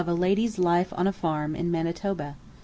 A LADY'S LIFE ON A FARM IN MANITOBA.